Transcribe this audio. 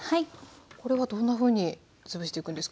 これはどんなふうに潰していくんですか？